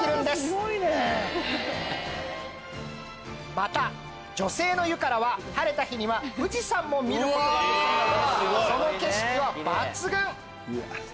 また女性の湯からは晴れた日に富士山も見ることができるのでその景色は抜群！